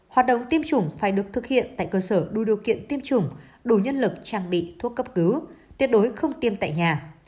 hoạt động tiêm chủng phải được thực hiện tại cơ sở đủ điều kiện tiêm chủng đủ nhân lực trang bị thuốc cấp cứu tuyệt đối không tiêm tại nhà